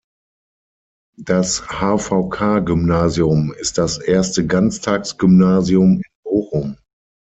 Das HvK-Gymnasium ist das erste Ganztagsgymnasium in Bochum.